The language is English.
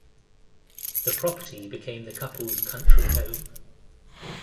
The property became the couple's country home.